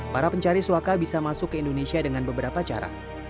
para pencari suaka bisa masuk ke indonesia dengan beberapa cara